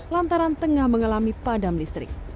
lantaran tengah mengalami padam listrik